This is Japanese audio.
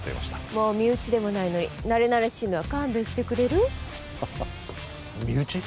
もう身内でもないのになれなれしいのは勘弁してくれる身内？